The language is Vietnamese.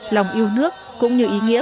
lòng yêu nước cũng như ý nghĩa